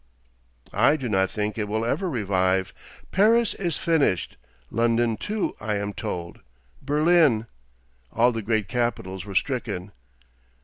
'I do not think it will ever revive. Paris is finished. London, too, I am told—Berlin. All the great capitals were stricken....